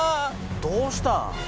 どうした？